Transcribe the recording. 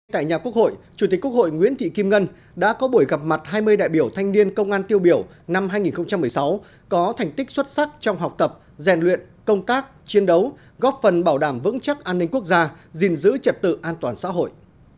tại nhà quốc hội chủ tịch quốc hội nguyễn thị kim ngân đã có buổi gặp mặt hai mươi đại biểu thanh niên công an tiêu biểu năm hai nghìn một mươi sáu có thành tích xuất sắc trong học tập rèn luyện công tác chiến đấu góp phần bảo đảm vững chắc an ninh quốc gia gìn giữ trật tự an toàn xã hội